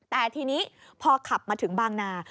แต่ทีนี้พอขับมาถึงบางนา